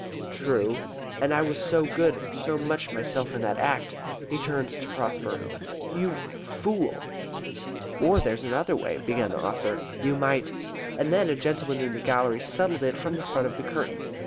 "True. And I was so good, so much myself in that Act." He turned to Prosper. "You fool!" "Or there's another way," began the author. "We might " And then a gentleman in the gallery settled it from the front of the curtain.